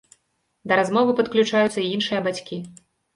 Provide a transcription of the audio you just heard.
Да размовы падключаюцца і іншыя бацькі.